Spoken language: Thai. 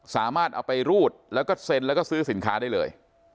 สามารถเอาไปรูดแล้วก็เซ็นแล้วก็ซื้อสินค้าได้เลย